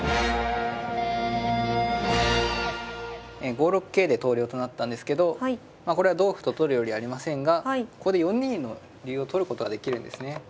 ５六桂で投了となったんですけどこれは同歩と取るよりありませんがここで４二の竜を取ることができるんですね。